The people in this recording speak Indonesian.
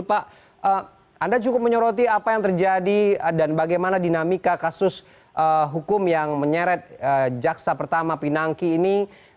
pak anda cukup menyoroti apa yang terjadi dan bagaimana dinamika kasus hukum yang menyeret jaksa pertama pinangki ini